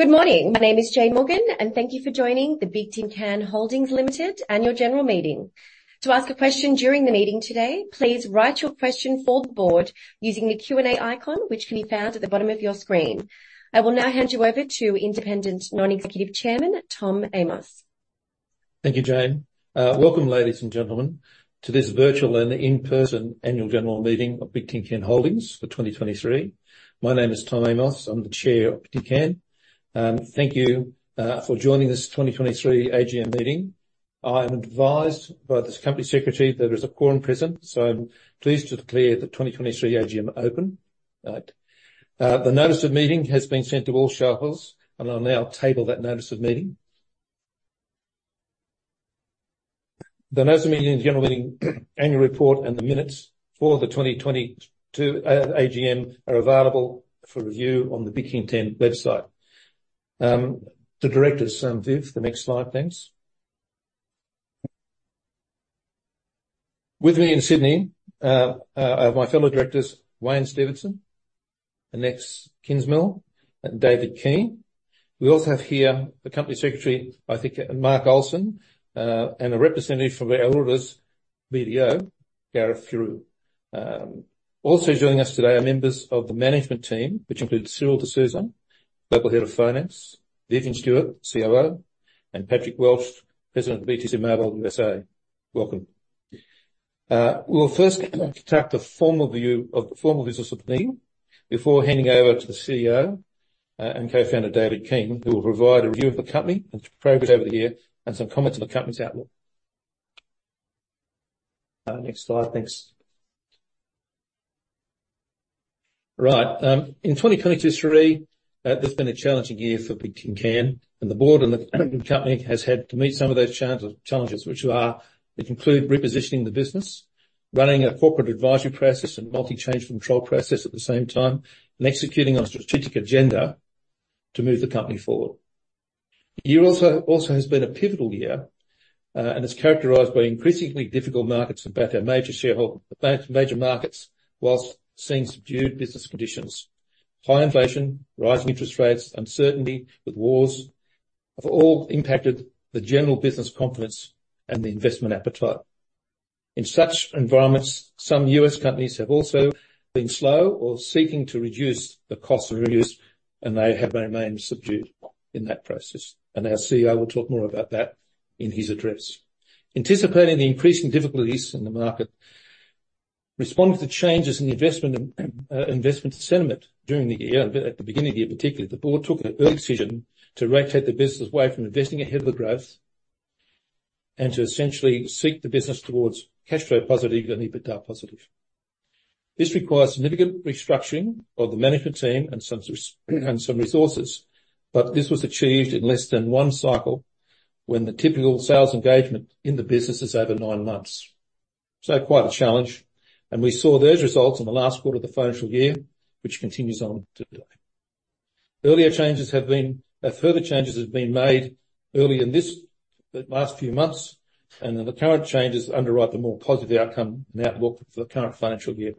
Good morning. My name is Jane Morgan, and thank you for joining the Bigtincan Holdings Limited annual general meeting. To ask a question during the meeting today, please write your question for the board using the Q&A icon, which can be found at the bottom of your screen. I will now hand you over to Independent Non-Executive Chairman, Tom Amos. Thank you, Jane. Welcome, ladies and gentlemen, to this virtual and in-person annual general meeting of Bigtincan Holdings for 2023. My name is Tom Amos. I'm the Chair of Bigtincan. Thank you for joining this 2023 AGM meeting. I am advised by the company secretary there is a quorum present, so I'm pleased to declare the 2023 AGM open. The notice of meeting has been sent to all shareholders, and I'll now table that notice of meeting. The notice of meeting, general meeting, annual report, and the minutes for the 2022 AGM are available for review on the Bigtincan website. The directors, Viv, the next slide, thanks. With me in Sydney are my fellow directors, Wayne Stevenson, Inese Kingsmill, and David Keane. We also have here the company secretary, I think, Mark Ohlsson, and a representative from our auditors, BDO, Gareth Ferrou. Also joining us today are members of the management team, which includes Cyril De Souza, global head of finance, Vivian Stewart, COO, and Patrick Welch, President of BTC Mobility USA. Welcome. We'll first conduct a formal view of, the formal business of the meeting before handing over to the CEO and Co-founder, David Keane, who will provide a review of the company and progress over the year and some comments on the company's outlook. Next slide, thanks. Right. In 2023, it's been a challenging year for Bigtincan, and the board and the company has had to meet some of those challenges, which include repositioning the business, running a corporate advisory process and change of control process at the same time, and executing our strategic agenda to move the company forward. The year also has been a pivotal year, and it's characterized by increasingly difficult markets in both our major markets, while seeing subdued business conditions. High inflation, rising interest rates, uncertainty with wars, have all impacted the general business confidence and the investment appetite. In such environments, some U.S. companies have also been slow or seeking to reduce the costs of reuse, and they have remained subdued in that process, and our CEO will talk more about that in his address. Anticipating the increasing difficulties in the market, responding to changes in the investment and investment sentiment during the year, at the beginning of the year, particularly, the board took an early decision to rotate the business away from investing ahead of the growth and to essentially seek the business towards cash flow positive and EBITDA positive. This requires significant restructuring of the management team and some resources, but this was achieved in less than one cycle when the typical sales engagement in the business is over nine months. So quite a challenge, and we saw those results in the last quarter of the financial year, which continues on today. Earlier changes have been further changes have been made early in this, the last few months, and the current changes underwrite the more positive outcome and outlook for the current financial year.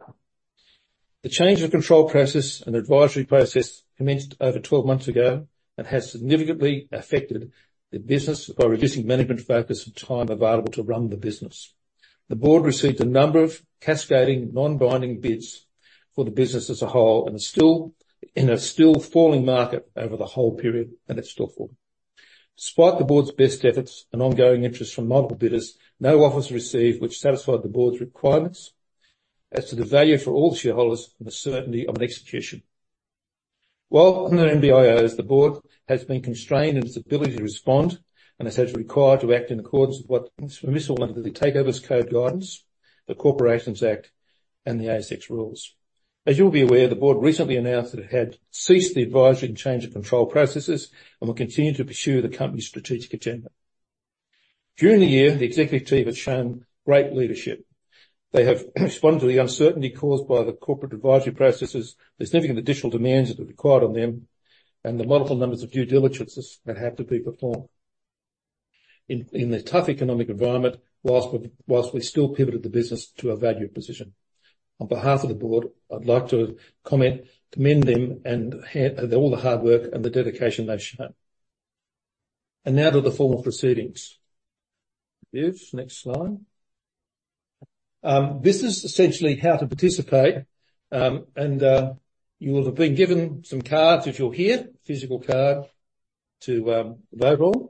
The change of control process and advisory process commenced over 12 months ago and has significantly affected the business by reducing management focus and time available to run the business. The board received a number of cascading, non-binding bids for the business as a whole and is still, in a still falling market over the whole period, and it's still falling. Despite the board's best efforts and ongoing interest from multiple bidders, no offers were received which satisfied the board's requirements as to the value for all the shareholders and the certainty of an execution. While under NBIOs, the board has been constrained in its ability to respond and is hence required to act in accordance with what is permissible under the Takeovers Code Guidelines, the Corporations Act, and the ASX rules. As you'll be aware, the board recently announced that it had ceased the advisory and change of control processes and will continue to pursue the company's strategic agenda. During the year, the executive team has shown great leadership. They have responded to the uncertainty caused by the corporate advisory processes, the significant additional demands that were required on them, and the multiple numbers of due diligences that had to be performed in a tough economic environment, whilst we still pivoted the business to a valued position. On behalf of the board, I'd like to comment, commend them on all the hard work and the dedication they've shown. Now to the formal proceedings. Viv, next slide. This is essentially how to participate, and you will have been given some cards if you're here, physical card, to vote on,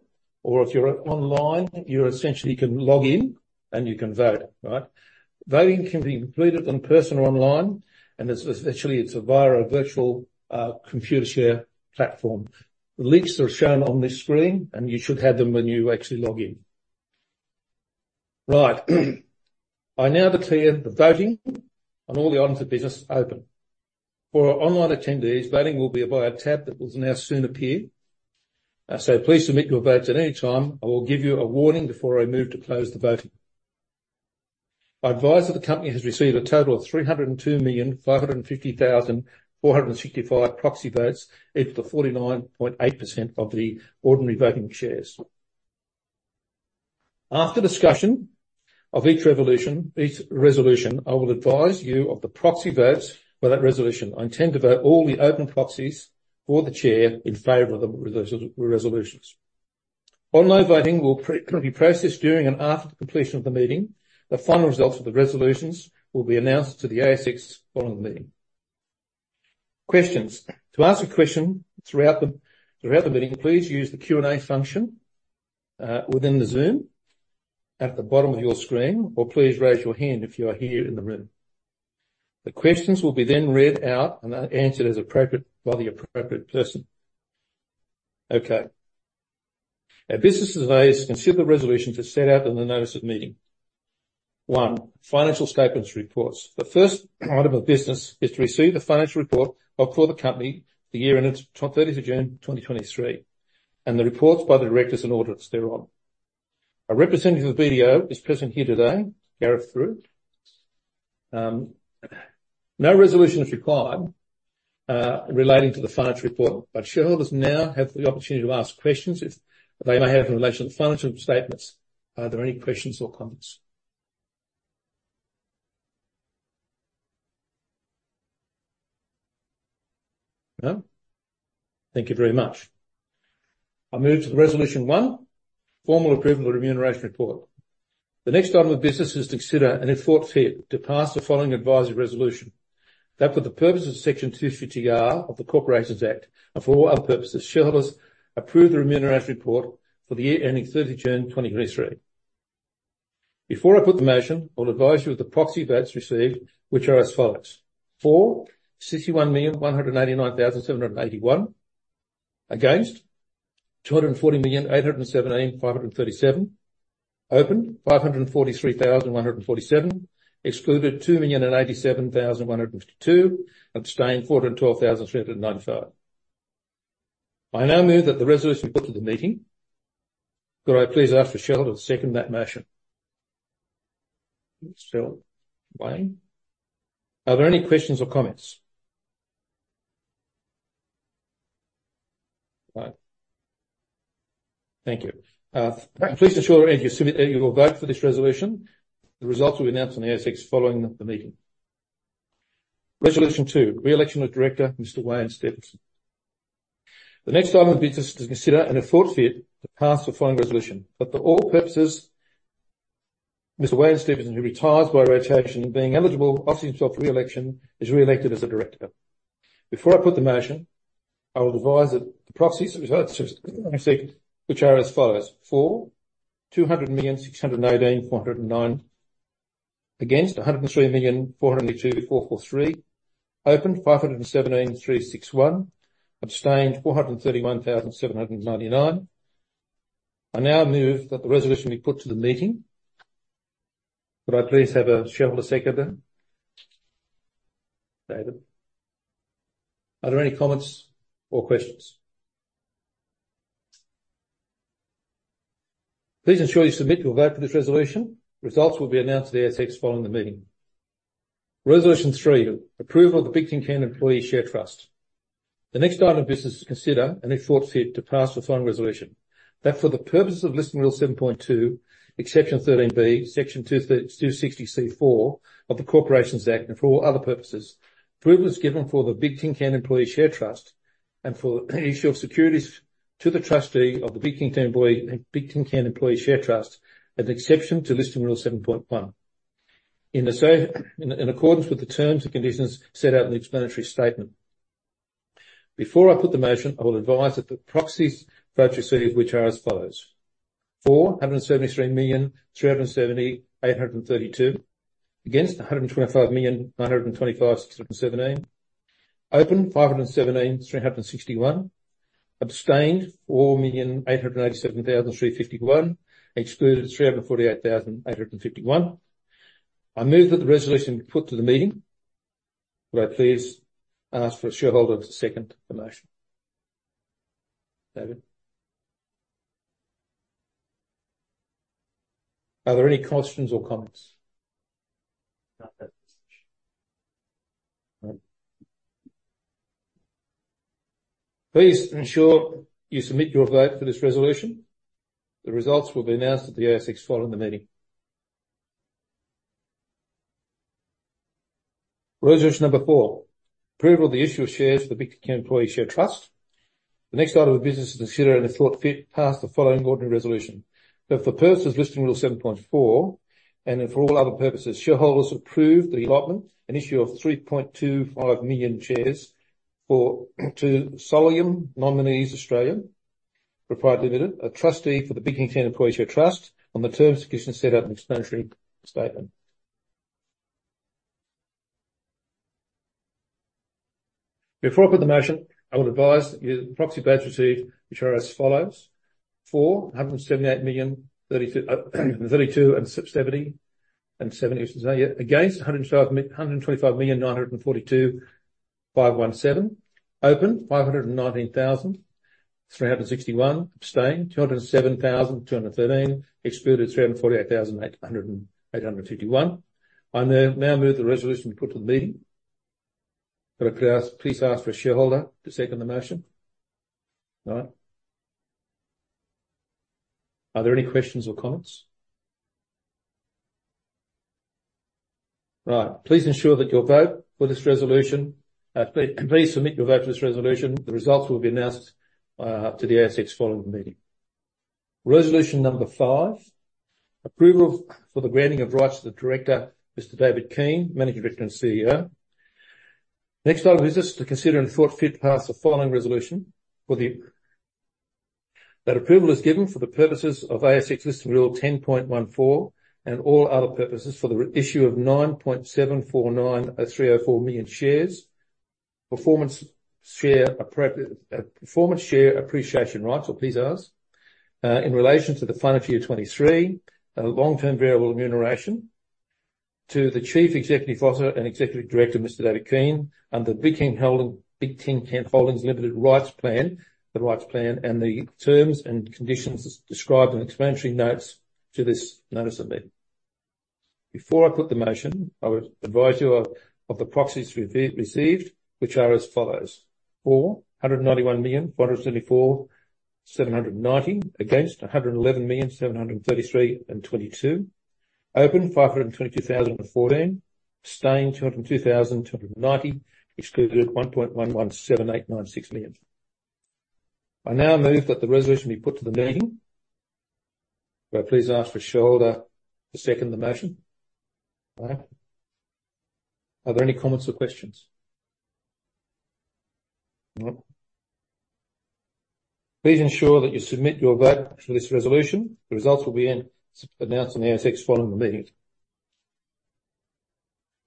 or if you're online, you essentially can log in and you can vote, right? Voting can be completed in person or online, and it's essentially it's via a virtual Computershare platform. The links are shown on this screen, and you should have them when you actually log in. Right. I now declare the voting on all the items of business open. For our online attendees, voting will be via a tab that will now soon appear, so please submit your votes at any time. I will give you a warning before I move to close the voting. I advise that the company has received a total of 302,550,465 proxy votes, equal to 49.8% of the ordinary voting shares. After discussion of each resolution, I will advise you of the proxy votes for that resolution. I intend to vote all the open proxies for the chair in favor of the resolutions. Online voting can be processed during and after the completion of the meeting. The final results of the resolutions will be announced to the ASX following the meeting. Questions. To ask a question throughout the meeting, please use the Q&A function within the Zoom at the bottom of your screen, or please raise your hand if you are here in the room. The questions will be then read out and, answered as appropriate by the appropriate person. Okay, our business today is to consider the resolution to set out in the notice of meeting. One, financial statements reports. The first item of business is to receive the financial report for the company, the year ended 30 June 2023, and the reports by the directors and auditors thereon. A representative of the BDO is present here today, Gareth Ferrou. No resolution is required, relating to the financial report, but shareholders now have the opportunity to ask questions if they may have in relation to the financial statements. Are there any questions or comments? No? Thank you very much. I move to the resolution one, formal approval of the remuneration report. The next item of business is to consider and if thought fit, to pass the following advisory resolution. That for the purposes of Section 250R of the Corporations Act, and for all other purposes, shareholders approve the remuneration report for the year ending 30 June 2023. Before I put the motion, I'll advise you of the proxy votes received, which are as follows: For, 61,189,781. Against, 240,817,537. Open, 543,147. Excluded, 2,087,102. Abstain, 412,395. I now move that the resolution be put to the meeting. Could I please ask the shareholder to second that motion? Still Wayne. Are there any questions or comments? Right. Thank you. Please ensure that you submit your vote for this resolution. The results will be announced on the ASX following the meeting. Resolution two, re-election of director, Mr. Wayne Stevenson. The next item of business is to consider and if thought fit, to pass the following resolution. That for all purposes, Mr. Wayne Stevenson, who retires by rotation, being eligible, offers himself re-election, is re-elected as a director. Before I put the motion, I will advise that the proxies, which are as follows: For, 200,618,409. Against, 103,402,443. Open, 517,361. Abstain, 431,799. I now move that the resolution be put to the meeting. Could I please have a shareholder seconder? David. Are there any comments or questions? Please ensure you submit your vote for this resolution. Results will be announced at the ASX following the meeting. Resolution 3, approval of the Bigtincan Employee Share Trust. The next item of business is to consider and if thought fit, to pass the following resolution. That for the purposes of Listing Rule 7.2, Exception 13B, section 260C of the Corporations Act, and for all other purposes, approval is given for the Bigtincan Employee Share Trust, and for the issue of securities to the trustee of the Bigtincan Employee Share Trust, as an exception to Listing Rule 7.1. In accordance with the terms and conditions set out in the explanatory statement. Before I put the motion, I will advise that the proxy votes received, which are as follows: For, 173,370,832. Against, 125,925,617. Open, 517,361. Abstained, 4,887,351. Excluded, 348,851. I move that the resolution be put to the meeting. Could I please ask for a shareholder to second the motion? David. Are there any questions or comments? Right. Please ensure you submit your vote for this resolution. The results will be announced at the ASX following the meeting. Resolution number 4, approval of the issue of shares for the Bigtincan Employee Share Trust. The next item of business is to consider, and if thought fit, pass the following ordinary resolution. That for purposes Listing Rule 7.4, and then for all other purposes, shareholders approve the allotment and issue of 3.25 million shares for, to Solium Nominees Australia Pty Limited, a trustee for the Bigtincan Employee Share Trust, on the terms and conditions set out in the explanatory statement. Before I put the motion, I would advise that the proxy votes received, which are as follows: For, 178,032,770. Against, 125,942,517. Open, 519,361. Abstain, 207,213. Excluded, 348,851. I now move the resolution be put to the meeting. Could I please ask for a shareholder to second the motion? No. Are there any questions or comments? Right, please ensure that your vote for this resolution, please submit your vote for this resolution. The results will be announced to the ASX following the meeting. Resolution number 5: Approval for the granting of rights to the director, Mr. David Keane, Managing Director and CEO. Next item is just to consider and thought fit to pass the following resolution for the, that approval is given for the purposes of ASX Listing Rule 10.14, and all other purposes, for the reissue of 9.749304 million shares. Performance share appreciation rights, or PSARs, in relation to the final year 2023, long-term variable remuneration to the Chief Executive Officer and Executive Director, Mr. David Keane, under Bigtincan Holdings Limited Rights Plan, the rights plan, and the terms and conditions as described in explanatory notes to this notice of meeting. Before I put the motion, I would advise you of the proxies received, which are as follows: For, 191,474,790. Against, 111,733,022. Open, 522,014. Abstain, 202,290. Excluded, 1.117896 million. I now move that the resolution be put to the meeting. May I please ask for a shareholder to second the motion? Right. Are there any comments or questions? No. Please ensure that you submit your vote for this resolution. The results will be announced on the ASX following the meeting.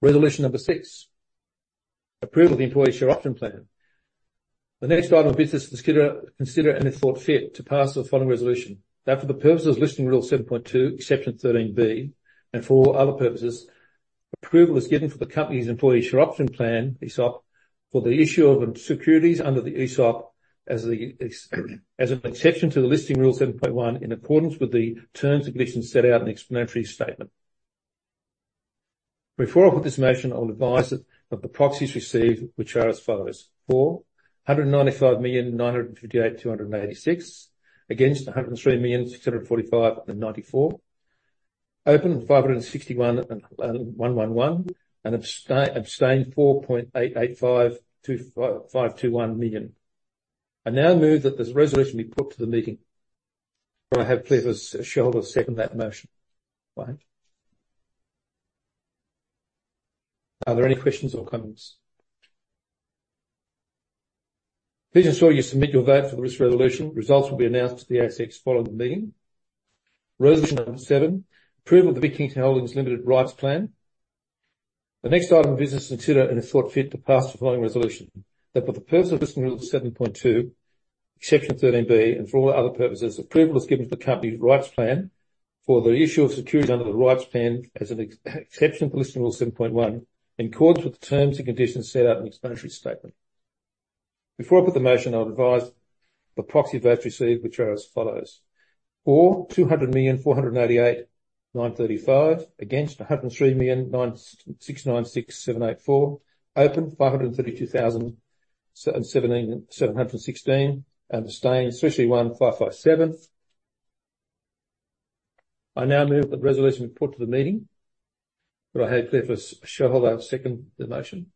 Resolution number 6: Approval of the Employee Share Option Plan. The next item of business is to consider and if thought fit, to pass the following resolution. That for the purposes of Listing Rule 7.2, Exception 13B, and for all other purposes, approval is given for the company's Employee Share Option Plan, ESOP, for the issue of securities under the ESOP as an exception to the Listing Rule 7.1, in accordance with the terms and conditions set out in the explanatory statement. Before I put this motion, I'll advise that the proxies received, which are as follows: For, 195,958,286. Against, 103,645,094. Open, 561,111, and abstain, 488,525,521. I now move that this resolution be put to the meeting. Can I have please, a shareholder second that motion? Fine. Are there any questions or comments? Please ensure you submit your vote for this resolution. Results will be announced to the ASX following the meeting. Resolution number 7: Approval of the Bigtincan Holdings Limited Rights Plan. The next item of business is to consider, and if thought fit, to pass the following resolution. That for the purpose of Listing Rule 7.2, Exception 13B, and for all other purposes, approval is given to the company's rights plan for the issue of securities under the rights plan as an exception to Listing Rule 7.1, in accordance with the terms and conditions set out in the explanatory statement. Before I put the motion, I'll advise the proxy votes received, which are as follows: For, 200,488,935. Against, 112,696,784. Open, 1,249,716. And Abstain, 331,557. I now move that the resolution be put to the meeting. Could I have, please, a shareholder second the motion?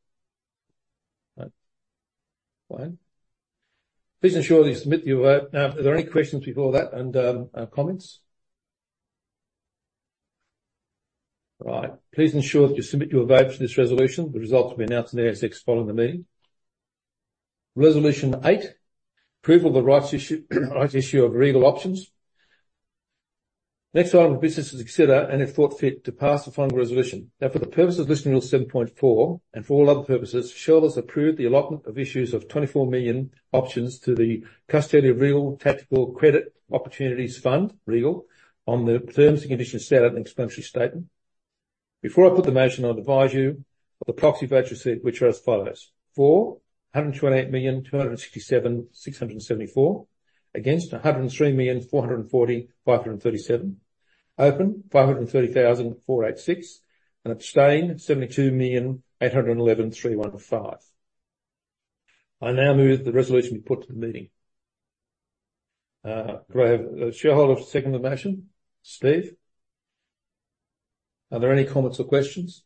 Right. Fine. Please ensure that you submit your vote. Are there any questions before that, and comments? Right. Please ensure that you submit your vote for this resolution. The results will be announced on the ASX following the meeting. Resolution 8: Approval of the rights issue, rights issue of Regal options. Next item of business is to consider, and if thought fit, to pass the following resolution. Now, for the purposes of Listing Rule 7.4, and for all other purposes, shareholders approved the allotment of issues of 24 million options to the custodian of Regal Tactical Credit Opportunities Fund, Regal, on the terms and conditions set out in the explanatory statement. Before I put the motion, I'll advise you of the proxy votes, which are as follows: For, 128,267,674. Against, 103 million, four hundred and forty-five thousand, five hundred and thirty-seven. For, 530 thousand, four hundred and eighty-six. And abstain, 72 million, eight hundred and eleven thousand, three hundred and fifteen. I now move that the resolution be put to the meeting. Could I have a shareholder second the motion? Steve? Are there any comments or questions?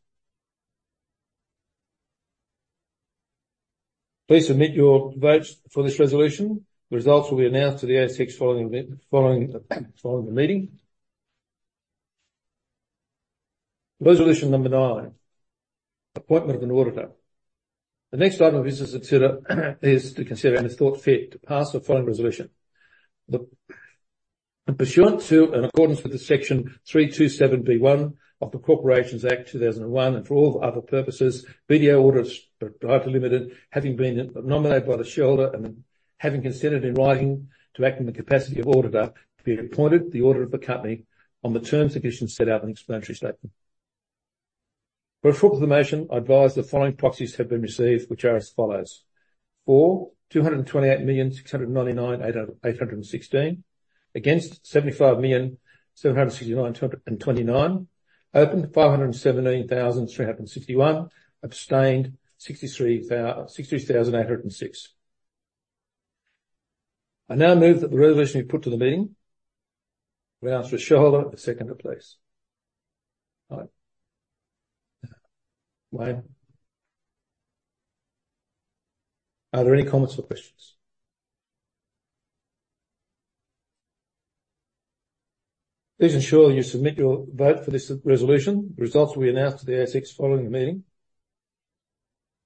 Please submit your votes for this resolution. The results will be announced to the ASX following the meeting. Resolution number nine: Appointment of an auditor. The next item of business to consider and if thought fit, to pass the following resolution. Pursuant to and in accordance with Section 327B(1) of the Corporations Act 2001, and for all other purposes, BDO Auditors Limited, having been nominated by the shareholder and having consented in writing to act in the capacity of auditor, to be appointed the auditor of the company on the terms and conditions set out in the explanatory statement. Before I put the motion, I advise the following proxies have been received, which are as follows: For, 228,699,816. Against, 75,769,229. Open, 517,361. Abstain, 63,806. I now move that the resolution be put to the meeting. We ask for a shareholder to second the place. All right. Wayne. Are there any comments or questions? Please ensure you submit your vote for this resolution. The results will be announced to the ASX following the meeting.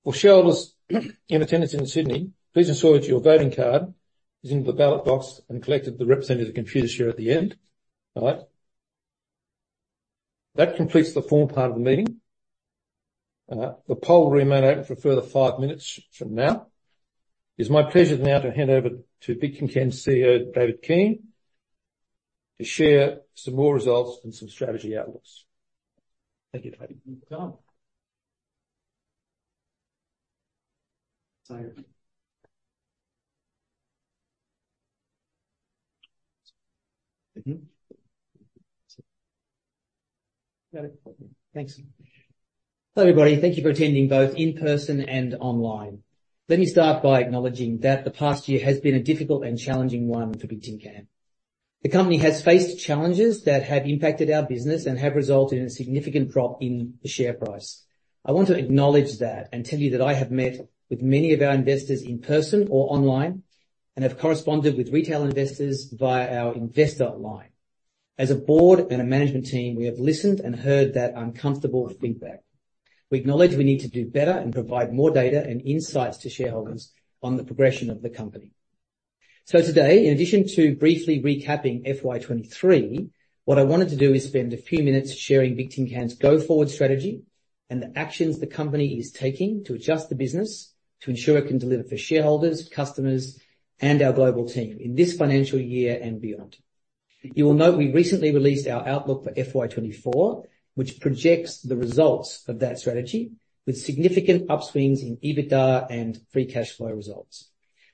For shareholders in attendance in Sydney, please ensure that your voting card is in the ballot box and collected the representative Computershare at the end. All right. That completes the formal part of the meeting. The poll will remain open for a further five minutes from now. It's my pleasure now to hand over to Bigtincan's CEO, David Keane, to share some more results and some strategy outlooks. Thank you, David. You're welcome. Thanks. Hello, everybody. Thank you for attending, both in person and online. Let me start by acknowledging that the past year has been a difficult and challenging one for Bigtincan. The company has faced challenges that have impacted our business and have resulted in a significant drop in the share price. I want to acknowledge that and tell you that I have met with many of our investors in person or online, and have corresponded with retail investors via our investor line. As a board and a management team, we have listened and heard that uncomfortable feedback. We acknowledge we need to do better and provide more data and insights to shareholders on the progression of the company. So today, in addition to briefly recapping FY 2023, what I wanted to do is spend a few minutes sharing Bigtincan's go-forward strategy and the actions the company is taking to adjust the business to ensure it can deliver for shareholders, customers, and our global team in this financial year and beyond. You will note we recently released our outlook for FY 2024, which projects the results of that strategy with significant upswings in EBITDA and free cash flow results.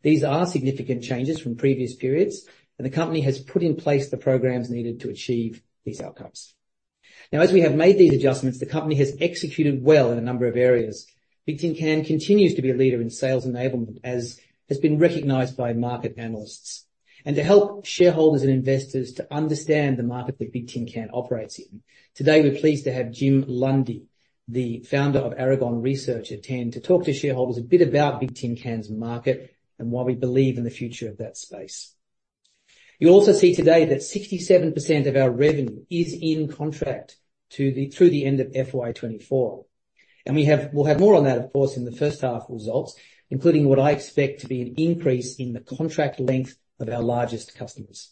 These are significant changes from previous periods, and the company has put in place the programs needed to achieve these outcomes. Now, as we have made these adjustments, the company has executed well in a number of areas. Bigtincan continues to be a leader in sales enablement, as has been recognized by market analysts. To help shareholders and investors understand the market that Bigtincan operates in, today, we're pleased to have Jim Lundy, the founder of Aragon Research, attend to talk to shareholders a bit about Bigtincan's market and why we believe in the future of that space. You'll also see today that 67% of our revenue is in contract to the, through the end of FY 2024, and we have... We'll have more on that, of course, in the first half results, including what I expect to be an increase in the contract length of our largest customers.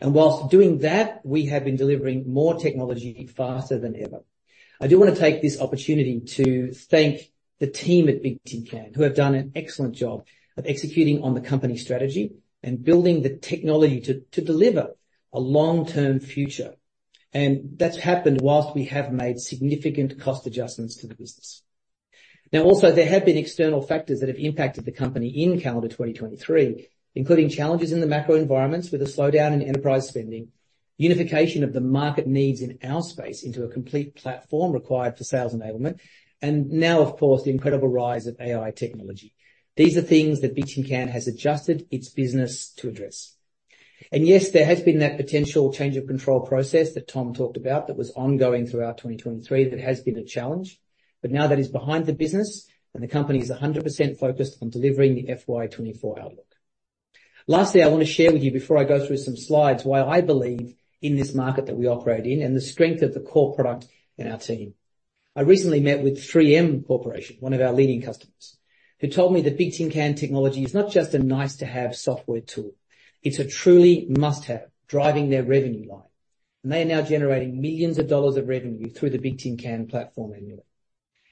While doing that, we have been delivering more technology faster than ever. I do want to take this opportunity to thank the team at Bigtincan, who have done an excellent job of executing on the company strategy and building the technology to, to deliver a long-term future. And that's happened while we have made significant cost adjustments to the business. Now, also, there have been external factors that have impacted the company in calendar 2023, including challenges in the macro environments with a slowdown in enterprise spending, unification of the market needs in our space into a complete platform required for sales enablement, and now, of course, the incredible rise of AI technology. These are things that Bigtincan has adjusted its business to address. And yes, there has been that potential change of control process that Tom talked about that was ongoing throughout 2023. That has been a challenge, but now that is behind the business, and the company is 100% focused on delivering the FY 2024 outlook. Lastly, I want to share with you, before I go through some slides, why I believe in this market that we operate in and the strength of the core product and our team. I recently met with 3M Corporation, one of our leading customers, who told me that Bigtincan technology is not just a nice-to-have software tool, it's a truly must-have, driving their revenue line, and they are now generating $ millions of revenue through the Bigtincan platform annually.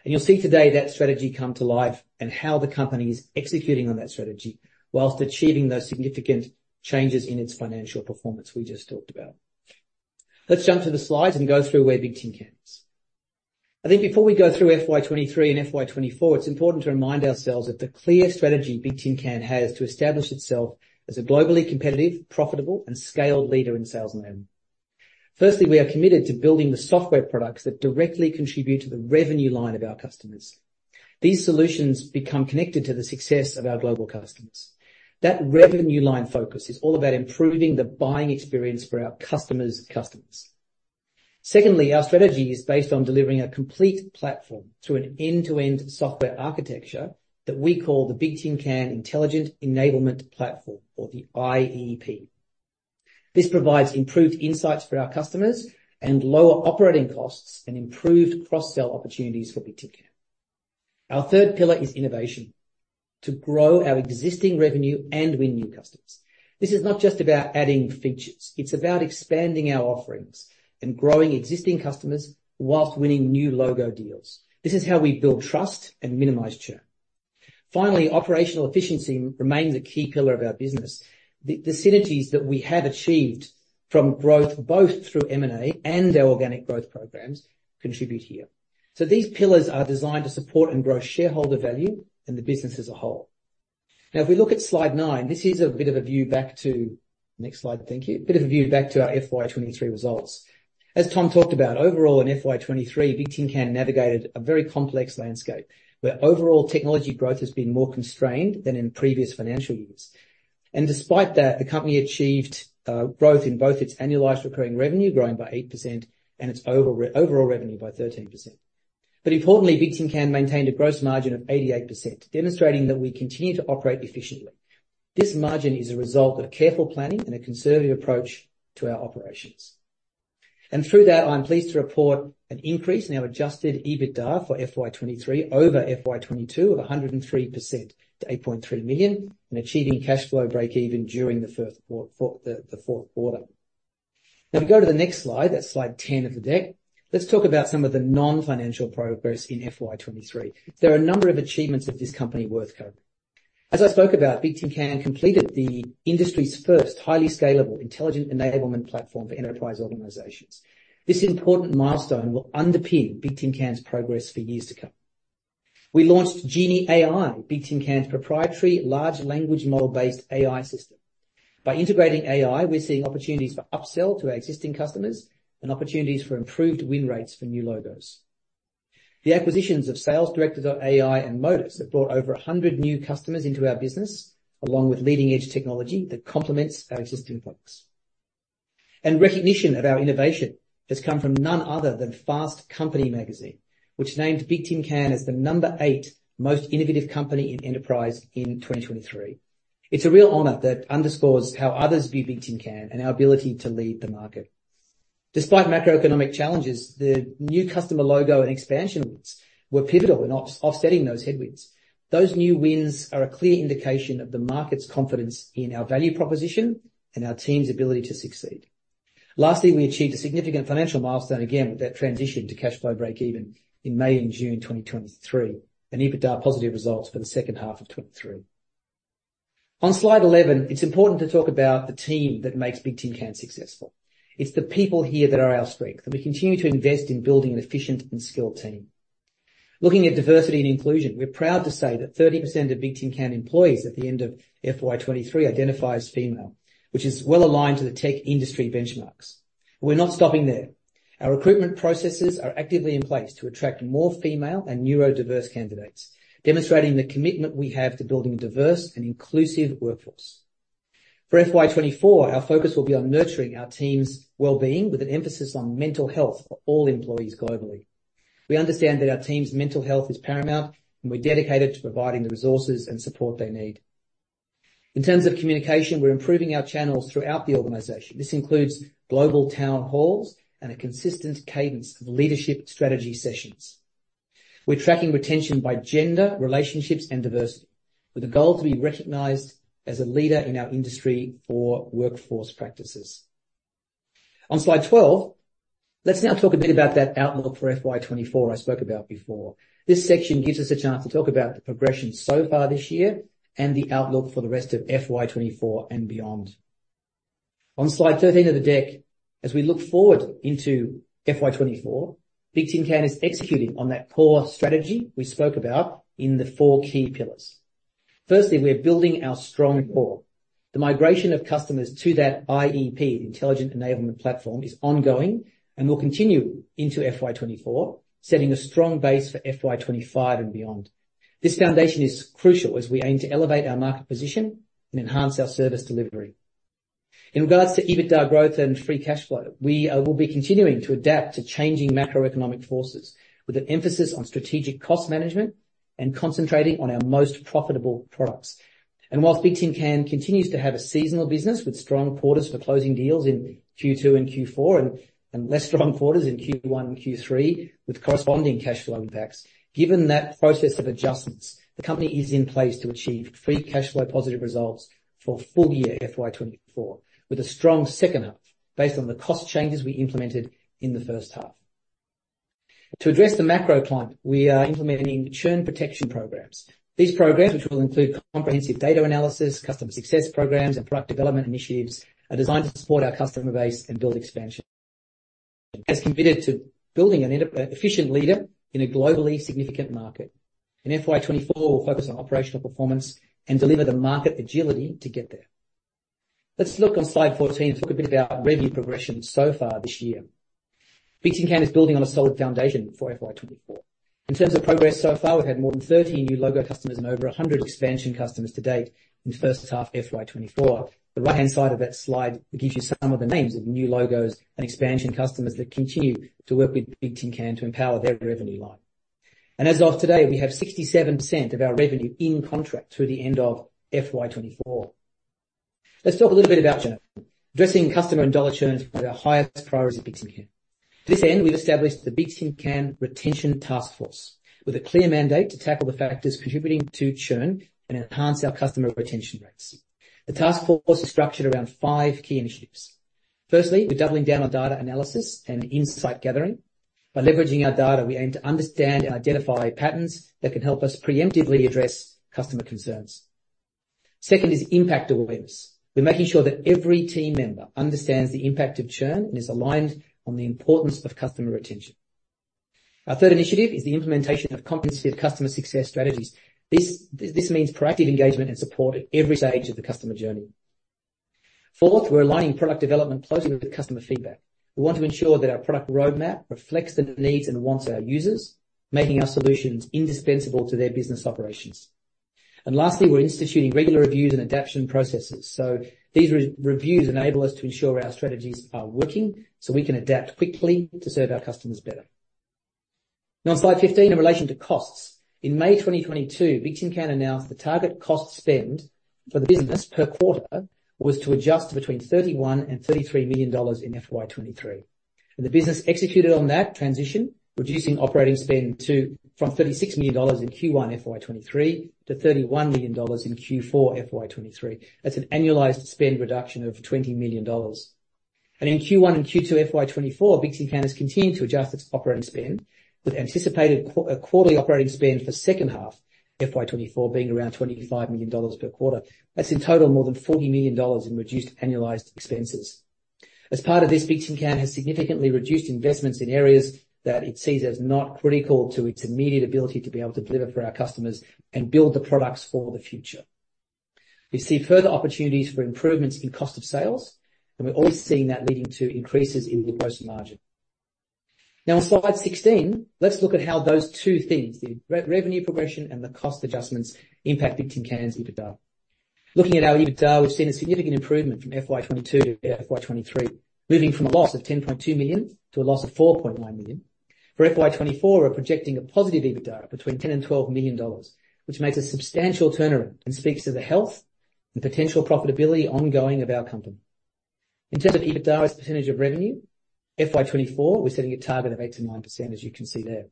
You'll see today that strategy come to life and how the company is executing on that strategy while achieving those significant changes in its financial performance we just talked about. Let's jump to the slides and go through where Bigtincan is. I think before we go through FY 2023 and FY 2024, it's important to remind ourselves that the clear strategy Bigtincan has to establish itself as a globally competitive, profitable, and scaled leader in sales enablement. Firstly, we are committed to building the software products that directly contribute to the revenue line of our customers. These solutions become connected to the success of our global customers. That revenue line focus is all about improving the buying experience for our customers' customers. Secondly, our strategy is based on delivering a complete platform through an end-to-end software architecture that we call the Bigtincan Intelligent Enablement Platform or the IEP. This provides improved insights for our customers and lower operating costs and improved cross-sell opportunities for Bigtincan. Our third pillar is innovation, to grow our existing revenue and win new customers. This is not just about adding features, it's about expanding our offerings and growing existing customers while winning new logo deals. This is how we build trust and minimize churn. Finally, operational efficiency remains a key pillar of our business. The synergies that we have achieved from growth, both through M&A and our organic growth programs, contribute here.... So these pillars are designed to support and grow shareholder value and the business as a whole. Now, if we look at slide 9, this is a bit of a view back to next slide, thank you. A bit of a view back to our FY 2023 results. As Tom talked about, overall, in FY 2023, Bigtincan navigated a very complex landscape, where overall technology growth has been more constrained than in previous financial years. Despite that, the company achieved growth in both its annualized recurring revenue, growing by 8%, and its overall revenue by 13%. Importantly, Bigtincan maintained a gross margin of 88%, demonstrating that we continue to operate efficiently. This margin is a result of careful planning and a conservative approach to our operations. Through that, I'm pleased to report an increase in our adjusted EBITDA for FY 2023 over FY 2022 of 103% to 8.3 million, and achieving cash flow break even for the fourth quarter. Now, we go to the next slide. That's slide 10 of the deck. Let's talk about some of the non-financial progress in FY 2023. There are a number of achievements of this company worth covering. As I spoke about, Bigtincan completed the industry's first highly scalable, intelligent enablement platform for enterprise organizations. This important milestone will underpin Bigtincan's progress for years to come. We launched Genie AI, Bigtincan's proprietary large language model-based AI system. By integrating AI, we're seeing opportunities for upsell to our existing customers and opportunities for improved win rates for new logos. The acquisitions of SalesDirector.ai and Modus have brought over 100 new customers into our business, along with leading-edge technology that complements our existing products. And recognition of our innovation has come from none other than Fast Company magazine, which named Bigtincan as the number 8 most innovative company in enterprise in 2023. It's a real honor that underscores how others view Bigtincan and our ability to lead the market. Despite macroeconomic challenges, the new customer logo and expansion wins were pivotal in offsetting those headwinds. Those new wins are a clear indication of the market's confidence in our value proposition and our team's ability to succeed. Lastly, we achieved a significant financial milestone again, with that transition to cash flow break-even in May and June 2023, and EBITDA positive results for the second half of 2023. On slide 11, it's important to talk about the team that makes Bigtincan successful. It's the people here that are our strength, and we continue to invest in building an efficient and skilled team. Looking at diversity and inclusion, we're proud to say that 30% of Bigtincan employees at the end of FY 2023 identify as female, which is well aligned to the tech industry benchmarks. We're not stopping there. Our recruitment processes are actively in place to attract more female and neurodiverse candidates, demonstrating the commitment we have to building a diverse and inclusive workforce. For FY 2024, our focus will be on nurturing our team's well-being, with an emphasis on mental health for all employees globally. We understand that our team's mental health is paramount, and we're dedicated to providing the resources and support they need. In terms of communication, we're improving our channels throughout the organization. This includes global town halls and a consistent cadence of leadership strategy sessions. We're tracking retention by gender, relationships, and diversity, with a goal to be recognized as a leader in our industry for workforce practices. On slide 12, let's now talk a bit about that outlook for FY 2024 I spoke about before. This section gives us a chance to talk about the progression so far this year and the outlook for the rest of FY 2024 and beyond. On slide 13 of the deck, as we look forward into FY 2024, Bigtincan is executing on that core strategy we spoke about in the 4 key pillars. Firstly, we are building our strong core. The migration of customers to that IEP, Intelligent Enablement Platform, is ongoing and will continue into FY 2024, setting a strong base for FY 2025 and beyond. This foundation is crucial as we aim to elevate our market position and enhance our service delivery. In regards to EBITDA growth and free cash flow, we will be continuing to adapt to changing macroeconomic forces with an emphasis on strategic cost management and concentrating on our most profitable products. While Bigtincan continues to have a seasonal business with strong quarters for closing deals in Q2 and Q4, and less strong quarters in Q1 and Q3, with corresponding cash flow impacts. Given that process of adjustments, the company is in place to achieve free cash flow positive results for full year FY 2024, with a strong second half based on the cost changes we implemented in the first half. To address the macro climate, we are implementing churn protection programs. These programs, which will include comprehensive data analysis, customer success programs, and product development initiatives, are designed to support our customer base and build expansion. As committed to building an enterprise-efficient leader in a globally significant market, in FY 2024, we'll focus on operational performance and deliver the market agility to get there. Let's look on slide 14 to talk a bit about revenue progression so far this year. Bigtincan is building on a solid foundation for FY 2024. In terms of progress so far, we've had more than 30 new logo customers and over 100 expansion customers to date in the first half of FY 2024. The right-hand side of that slide gives you some of the names of new logos and expansion customers that continue to work with Bigtincan to empower their revenue line. As of today, we have 67% of our revenue in contract through the end of FY 2024. Let's talk a little bit about churn. Addressing customer and dollar churn is one of our highest priorities at Bigtincan. To this end, we've established the Bigtincan Retention Task Force, with a clear mandate to tackle the factors contributing to churn and enhance our customer retention rates. The task force is structured around 5 key initiatives. Firstly, we're doubling down on data analysis and insight gathering. By leveraging our data, we aim to understand and identify patterns that can help us preemptively address customer concerns. Second is impact awareness. We're making sure that every team member understands the impact of churn and is aligned on the importance of customer retention. Our third initiative is the implementation of comprehensive customer success strategies. This means proactive engagement and support at every stage of the customer journey. Fourth, we're aligning product development closely with customer feedback. We want to ensure that our product roadmap reflects the needs and wants of our users, making our solutions indispensable to their business operations. And lastly, we're instituting regular reviews and adaptation processes. So these reviews enable us to ensure our strategies are working, so we can adapt quickly to serve our customers better. Now, on slide 15, in relation to costs, in May 2022, Bigtincan announced the target cost spend for the business per quarter was to adjust to between $31 million and $33 million in FY 2023. The business executed on that transition, reducing operating spend from $36 million in Q1 FY 2023 to $31 million in Q4 FY 2023. That's an annualized spend reduction of $20 million. In Q1 and Q2 FY 2024, Bigtincan has continued to adjust its operating spend, with anticipated quarterly operating spend for second half FY 2024 being around $25 million per quarter. That's in total more than $40 million in reduced annualized expenses. As part of this, Bigtincan has significantly reduced investments in areas that it sees as not critical to its immediate ability to be able to deliver for our customers and build the products for the future. We see further opportunities for improvements in cost of sales, and we're already seeing that leading to increases in gross margin. Now, on slide 16, let's look at how those two things, the revenue progression and the cost adjustments, impact Bigtincan's EBITDA. Looking at our EBITDA, we've seen a significant improvement from FY 2022 to FY 2023, moving from a loss of 10.2 million to a loss of 4.1 million. For FY 2024, we're projecting a positive EBITDA between 10 million dollars-AUD12 million, which makes a substantial turnaround and speaks to the health and potential profitability ongoing of our company. In terms of EBITDA as a percentage of revenue, FY 2024, we're setting a target of 8%-9%, as you can see there.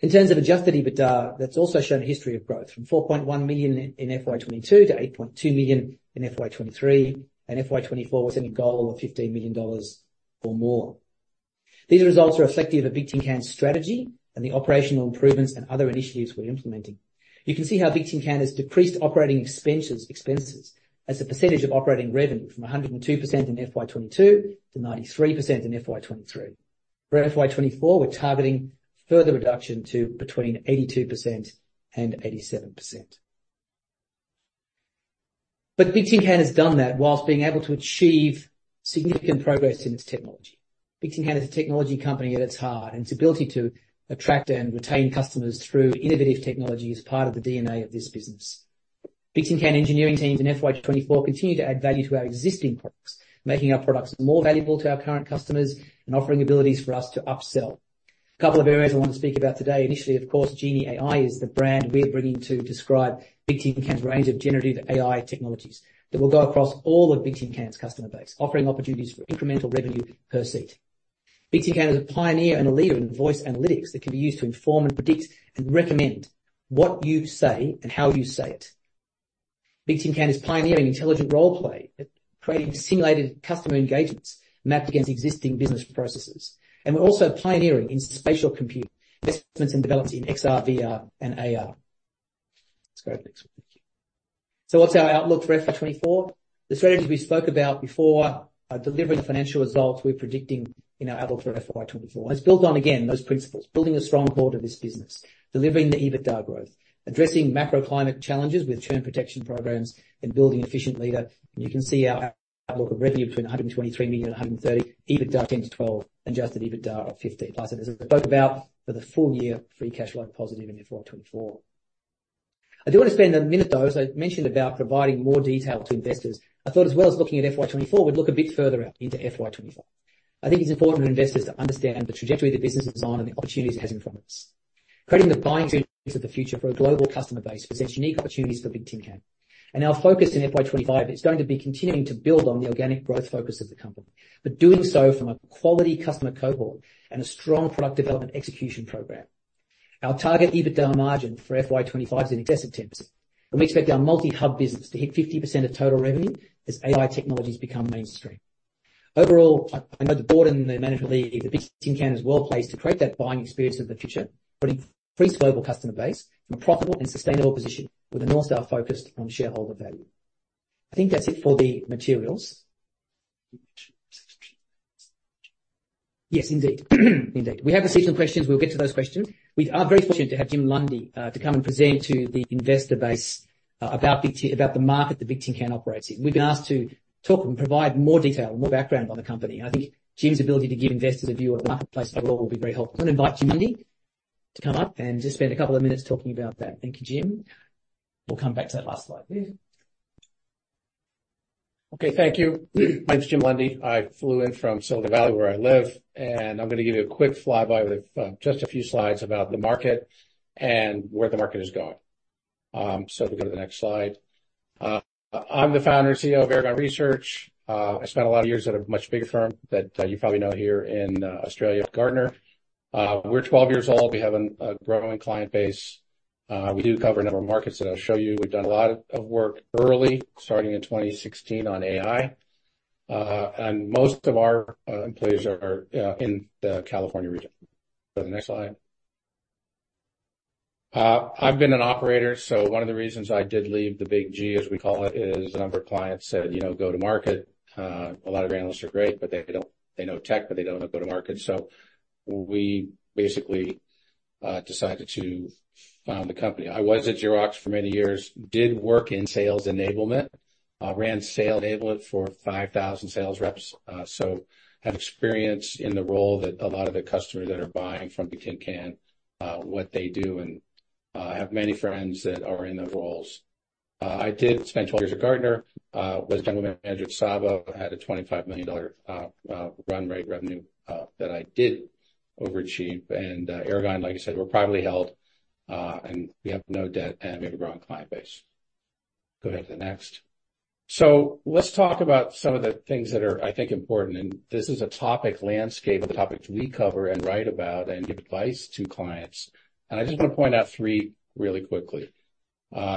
In terms of adjusted EBITDA, that's also shown a history of growth, from 4.1 million in FY 2022 to 8.2 million in FY 2023, and FY 2024, we're setting a goal of 15 million dollars or more. These results are reflective of Bigtincan's strategy and the operational improvements and other initiatives we're implementing. You can see how Bigtincan has decreased operating expenses, expenses as a percentage of operating revenue from 102% in FY 2022 to 93% in FY 2023. For FY 2024, we're targeting further reduction to between 82% and 87%. But Bigtincan has done that while being able to achieve significant progress in its technology. Bigtincan is a technology company at its heart, and its ability to attract and retain customers through innovative technology is part of the DNA of this business. Bigtincan engineering teams in FY 2024 continue to add value to our existing products, making our products more valuable to our current customers and offering abilities for us to upsell. A couple of areas I want to speak about today. Initially, of course, Genie AI is the brand we're bringing to describe Bigtincan's range of generative AI technologies that will go across all of Bigtincan's customer base, offering opportunities for incremental revenue per seat. Bigtincan is a pioneer and a leader in voice analytics that can be used to inform and predict and recommend what you say and how you say it. Bigtincan is pioneering intelligent role play, creating simulated customer engagements mapped against existing business processes. And we're also pioneering in spatial compute, investments and developments in XR, VR, and AR. Let's go to the next one. Thank you. So what's our outlook for FY 2024? The strategy we spoke about before, delivering the financial results we're predicting in our outlook for FY 2024. Let's build on, again, those principles, building a strong core to this business, delivering the EBITDA growth, addressing macroclimate challenges with churn protection programs, and building efficiently that... You can see our outlook of revenue between 123 million and 130 million, EBITDA 10 million-12 million, and adjusted EBITDA of 15 million. Plus, as I spoke about for the full year, free cash flow positive in FY 2024. I do want to spend a minute, though, as I mentioned, about providing more detail to investors. I thought as well as looking at FY 2024, we'd look a bit further out into FY 2025. I think it's important for investors to understand the trajectory the business is on and the opportunities it has in front of us. Creating the buying journeys of the future for a global customer base presents unique opportunities for Bigtincan, and our focus in FY 2025 is going to be continuing to build on the organic growth focus of the company, but doing so from a quality customer cohort and a strong product development execution program. Our target EBITDA margin for FY 2025 is in excess of 10%, and we expect our multi-hub business to hit 50% of total revenue as AI technologies become mainstream. Overall, I know the board and the management team, the Bigtincan, is well placed to create that buying experience of the future, putting increased global customer base in a profitable and sustainable position with a North Star focused on shareholder value. I think that's it for the materials. Yes, indeed. Indeed. We have received some questions. We'll get to those questions. We are very fortunate to have Jim Lundy to come and present to the investor base about the market that Bigtincan operates in. We've been asked to talk and provide more detail, more background on the company. I think Jim's ability to give investors a view of the marketplace overall will be very helpful. I invite Jim Lundy to come up and just spend a couple of minutes talking about that. Thank you, Jim. We'll come back to that last slide, please. Okay, thank you. My name is Jim Lundy. I flew in from Silicon Valley, where I live, and I'm going to give you a quick flyby with just a few slides about the market and where the market is going. So if we go to the next slide. I'm the founder and CEO of Aragon Research. I spent a lot of years at a much bigger firm that you probably know here in Australia, Gartner. We're 12 years old. We have a growing client base. We do cover a number of markets that I'll show you. We've done a lot of work early, starting in 2016 on AI, and most of our employees are in the California region. Go to the next slide. I've been an operator, so one of the reasons I did leave the big G, as we call it, is a number of clients said, "You know, go-to-market, a lot of your analysts are great, but they don't... They know tech, but they don't know go-to-market." So we basically, decided to found the company. I was at Xerox for many years, did work in sales enablement, ran sales enablement for 5,000 sales reps. So I have experience in the role that a lot of the customers that are buying from Bigtincan, what they do, and, I have many friends that are in the roles. I did spend 12 years at Gartner, was general manager at Saba, had a $25 million, run rate revenue, that I did overachieve. And, Aragon, like I said, we're privately held, and we have no debt, and we have a growing client base. Go ahead to the next. So let's talk about some of the things that are, I think, important, and this is a topic landscape of the topics we cover and write about and give advice to clients. And I just want to point out three really quickly.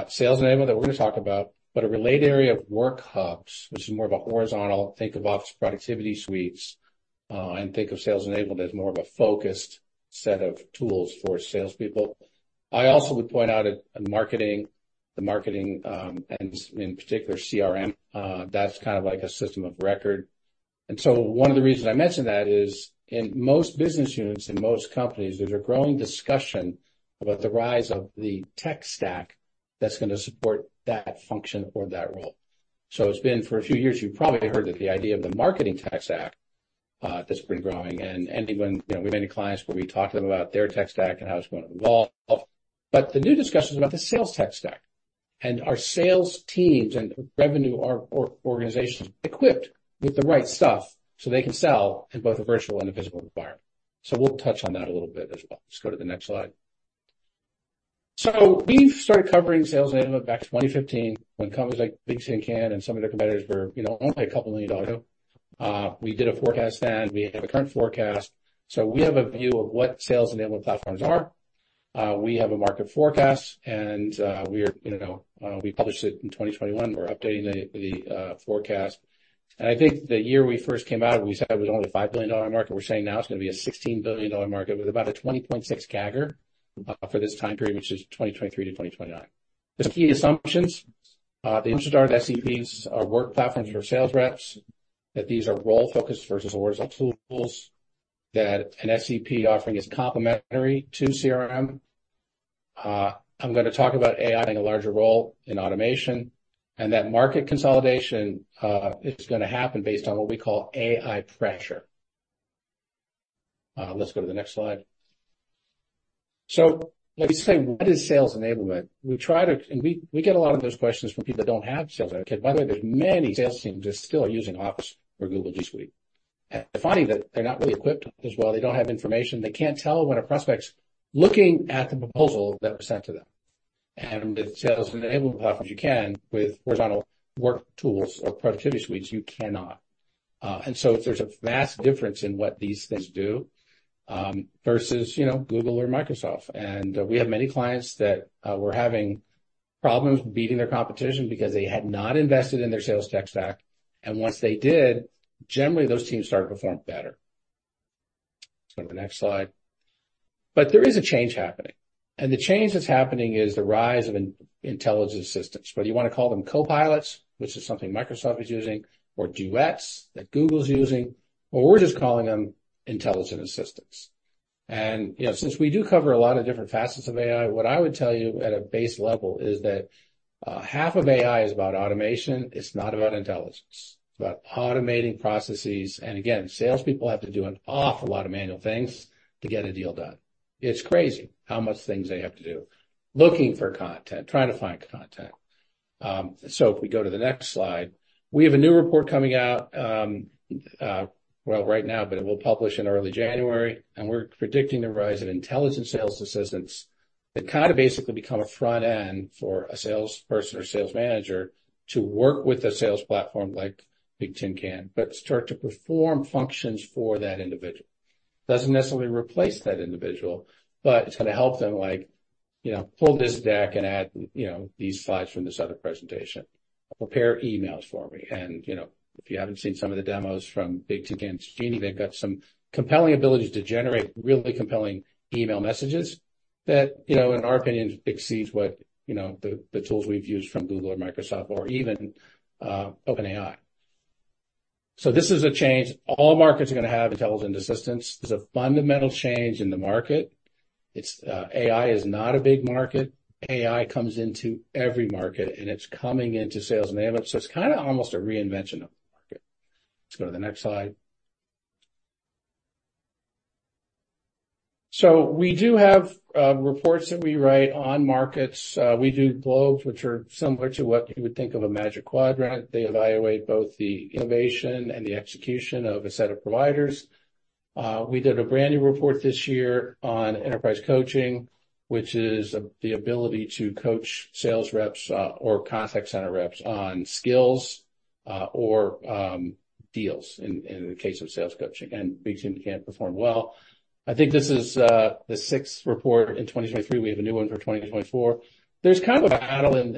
Sales enablement, that we're going to talk about, but a related area of work hubs, which is more of a horizontal, think of office productivity suites, and think of sales enablement as more of a focused set of tools for salespeople. I also would point out that in marketing, the marketing, and in particular, CRM, that's kind of like a system of record. So one of the reasons I mention that is in most business units, in most companies, there's a growing discussion about the rise of the tech stack that's going to support that function or that role. So it's been for a few years, you've probably heard that the idea of the Marketing Tech Stack, that's been growing. And even, you know, we have many clients where we talk to them about their tech stack and how it's going to evolve. But the new discussion is about the sales tech stack and are sales teams and revenue or organizations equipped with the right stuff so they can sell in both a virtual and a physical environment? So we'll touch on that a little bit as well. Let's go to the next slide. So we started covering sales enablement back in 2015 when companies like Bigtincan and some of their competitors were, you know, only a couple million dollars ago. We did a forecast then. We have a current forecast. So we have a view of what sales enablement platforms are. We have a market forecast, and, we are, you know, we published it in 2021. We're updating the, the, forecast, and I think the year we first came out, we said it was only a $5 billion market. We're saying now it's going to be a $16 billion market with about a 20.6% CAGR, for this time period, which is 2023-2029. Just key assumptions. The interest are that SEPs are work platforms for sales reps, that these are role-focused versus horizontal tools, that an SEP offering is complementary to CRM. I'm going to talk about AI playing a larger role in automation, and that market consolidation is going to happen based on what we call AI pressure. Let's go to the next slide. So let me say: What is sales enablement? We try to. We, we get a lot of those questions from people that don't have sales enablement. By the way, there's many sales teams that still are using Office or Google G Suite, and they're finding that they're not really equipped as well. They don't have information. They can't tell when a prospect's looking at the proposal that was sent to them. And with sales enablement platforms, you can. With horizontal work tools or productivity suites, you cannot. And so there's a vast difference in what these things do, versus, you know, Google or Microsoft. And we have many clients that were having problems beating their competition because they had not invested in their sales tech stack, and once they did, generally, those teams started to perform better. Let's go to the next slide. But there is a change happening, and the change that's happening is the rise of intelligent assistants, whether you want to call them copilots, which is something Microsoft is using, or duets that Google's using, or we're just calling them intelligent assistants. And, you know, since we do cover a lot of different facets of AI, what I would tell you at a base level is that half of AI is about automation. It's not about intelligence. It's about automating processes. Again, salespeople have to do an awful lot of manual things to get a deal done. It's crazy how much things they have to do, looking for content, trying to find content. So if we go to the next slide, we have a new report coming out, well, right now, but it will publish in early January, and we're predicting the rise of intelligent sales assistants that kind of basically become a front end for a salesperson or sales manager to work with a sales platform like Bigtincan, but start to perform functions for that individual. Doesn't necessarily replace that individual, but it's going to help them like, you know, pull this deck and add, these slides from this other presentation. Prepare emails for me. If you haven't seen some of the demos from Bigtincan's Genie, they've got some compelling abilities to generate really compelling email messages that, you know, in our opinion, exceeds what, you know, the tools we've used from Google or Microsoft or even OpenAI. This is a change. All markets are going to have intelligent assistants. There's a fundamental change in the market. It's AI is not a big market. AI comes into every market, and it's coming into sales enablement, so it's kind of almost a reinvention of the market. Let's go to the next slide. We do have reports that we write on markets. We do globes, which are similar to what you would think of a Magic Quadrant. They evaluate both the innovation and the execution of a set of providers. We did a brand-new report this year on enterprise coaching, which is the ability to coach sales reps or contact center reps on skills or deals in the case of sales coaching, and Bigtincan performed well. I think this is the sixth report in 2023. We have a new one for 2024. There's kind of a battle in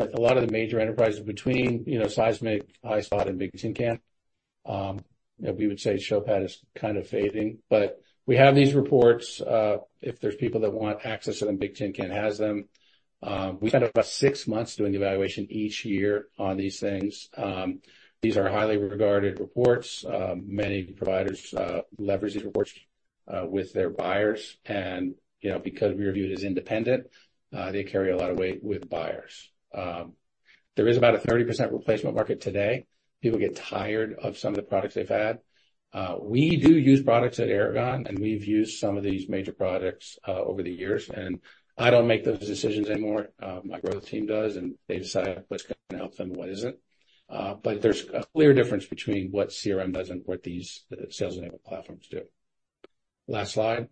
a lot of the major enterprises between, you know, Seismic, Highspot, and Bigtincan. You know, we would say Showpad is kind of fading, but we have these reports. If there's people that want access to them, Bigtincan has them. We spend about six months doing evaluation each year on these things. These are highly regarded reports. Many providers leverage these reports with their buyers, and, you know, because we are viewed as independent, they carry a lot of weight with buyers. There is about a 30% replacement market today. People get tired of some of the products they've had. We do use products at Aragon, and we've used some of these major products over the years, and I don't make those decisions anymore. My growth team does, and they decide what's going to help them and what isn't. But there's a clear difference between what CRM does and what these sales enabled platforms do. Last slide.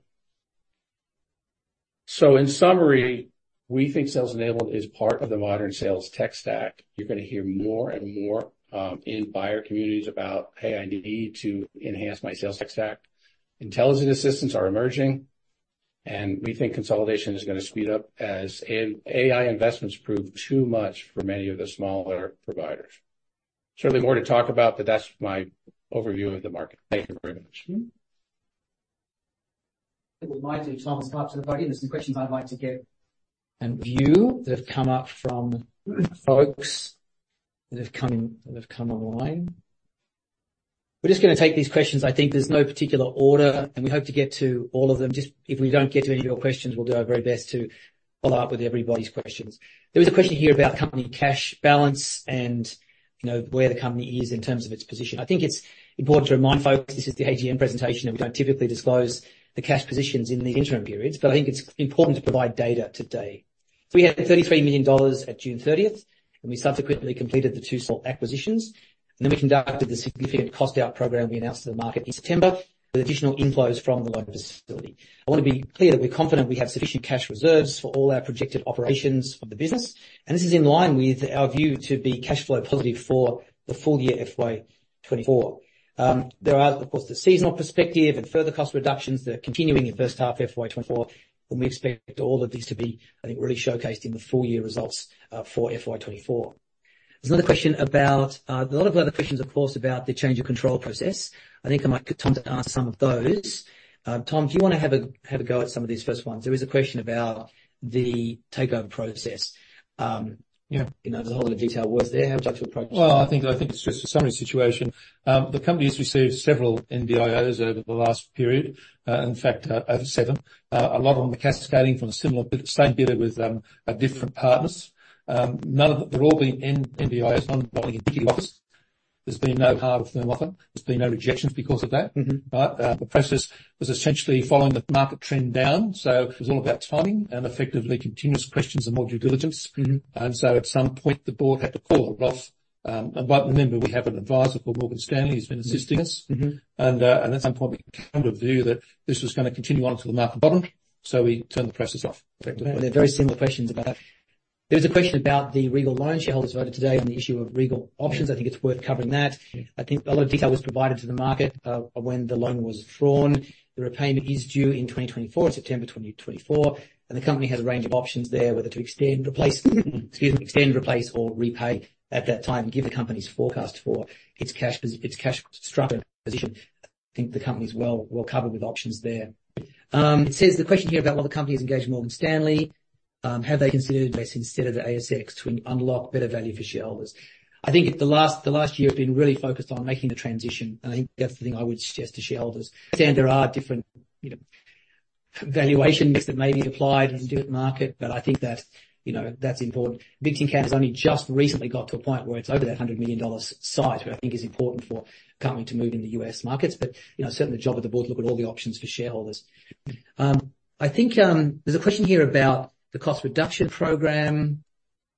So in summary, we think sales enabled is part of the modern sales tech stack. You're going to hear more and more in buyer communities about, Hey, I need to enhance my sales tech stack. Intelligent assistants are emerging, and we think consolidation is going to speed up as AI investments prove too much for many of the smaller providers. Certainly more to talk about, but that's my overview of the market. Thank you very much. What we might do, Tom, is pop to the party. There's some questions I'd like to get and view that have come up from folks that have come, that have come online. We're just going to take these questions. I think there's no particular order, and we hope to get to all of them. Just if we don't get to any of your questions, we'll do our very best to follow up with everybody's questions. There is a question here about company cash balance and, you know, where the company is in terms of its position. I think it's important to remind folks, this is the AGM presentation, and we don't typically disclose the cash positions in the interim periods, but I think it's important to provide data today. We had 33 million dollars at June thirtieth, and we subsequently completed the two small acquisitions, and then we conducted the significant cost out program we announced to the market in September, with additional inflows from the local facility. I want to be clear that we're confident we have sufficient cash reserves for all our projected operations of the business, and this is in line with our view to be cash flow positive for the full year, FY 2024. There are, of course, the seasonal perspective and further cost reductions that are continuing in the first half of FY 2024, and we expect all of these to be, I think, really showcased in the full year results for FY 2024. There's another question about... There are a lot of other questions, of course, about the change of control process. I think I might get Tom to answer some of those. Tom, do you want to have a go at some of these first ones? There is a question about the takeover process. You know, there's a whole lot of detail worth there. How would you like to approach this? Well, I think, I think it's just a summary situation. The company has received several NBIOs over the last period, in fact, over seven. A lot of them are cascading from a similar, but same bidder with, different partners. They've all been in NBIOs, none involving in big losses. There's been no hard firm offer. There's been no rejections because of that. Mm-hmm. But, the process was essentially following the market trend down, so it was all about timing and effectively continuous questions and more due diligence. Mm-hmm. And so at some point, the board had to call it off. But remember, we have an advisor called Morgan Stanley, who's been assisting us. Mm-hmm. At some point, we came to a view that this was going to continue on to the market bottom, so we turned the process off effectively. There are very similar questions about that. There's a question about the Regal loan shareholders voted today on the issue of Regal options. I think it's worth covering that. Yeah. I think a lot of detail was provided to the market when the loan was drawn. The repayment is due in 2024, in September 2024, and the company has a range of options there, whether to extend, replace, excuse me, extend, replace, or repay at that time and give the company's forecast for its cash, its cash structure position. I think the company is well covered with options there. It says the question here about whether the company is engaged with Morgan Stanley, have they considered this instead of the ASX to unlock better value for shareholders? I think the last year has been really focused on making the transition. I think that's the thing I would suggest to shareholders. Then there are different, you know, valuations that may be applied in the market, but I think that, you know, that's important. Bigtincan has only just recently got to a point where it's over that $100 million size, which I think is important for company to move in the U.S. markets. But, you know, certainly the job of the board, look at all the options for shareholders. I think, there's a question here about the cost reduction program.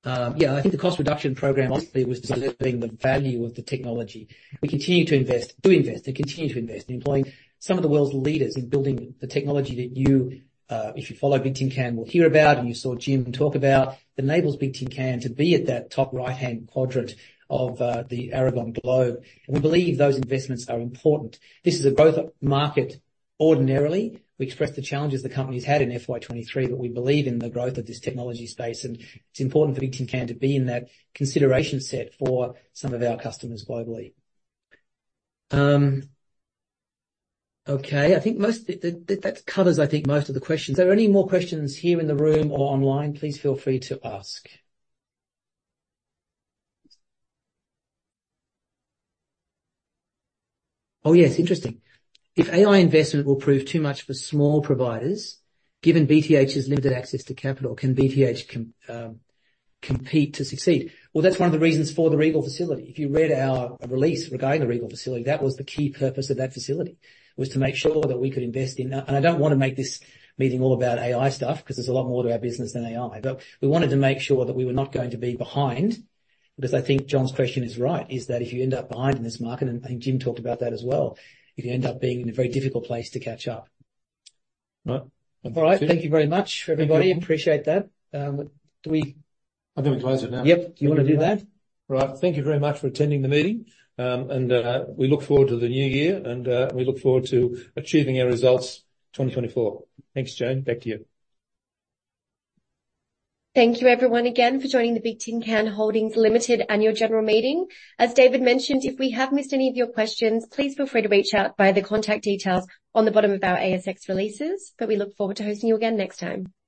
Yeah, I think the cost reduction program obviously was delivering the value of the technology. We continue to invest, do invest and continue to invest in employing some of the world's leaders in building the technology that you, if you follow Bigtincan, will hear about, and you saw Jim talk about, that enables Bigtincan to be at that top right-hand quadrant of, the Aragon Globe. We believe those investments are important. This is a growth market ordinarily. We express the challenges the company's had in FY 2023, but we believe in the growth of this technology space, and it's important for Bigtincan to be in that consideration set for some of our customers globally. Okay, I think that covers most of the questions. Are there any more questions here in the room or online? Please feel free to ask. Oh, yes, interesting. If AI investment will prove too much for small providers, given BTH's limited access to capital, can BTH compete to succeed? Well, that's one of the reasons for the Regal facility. If you read our release regarding the Regal facility, that was the key purpose of that facility, was to make sure that we could invest in... I don't want to make this meeting all about AI stuff, because there's a lot more to our business than AI. We wanted to make sure that we were not going to be behind, because I think John's question is right, is that if you end up behind in this market, and I think Jim talked about that as well, you end up being in a very difficult place to catch up. Right. All right. Thank you very much, everybody. I appreciate that. Do we- I'm going to close it now. Yep. Do you want to do that? Right. Thank you very much for attending the meeting. We look forward to the new year, and we look forward to achieving our results 2024. Thanks, Jane. Back to you. Thank you everyone again for joining the Bigtincan Holdings Limited annual general meeting. As David mentioned, if we have missed any of your questions, please feel free to reach out via the contact details on the bottom of our ASX releases, but we look forward to hosting you again next time.